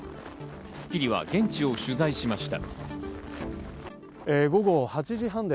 『スッキリ』は現地を取材しました。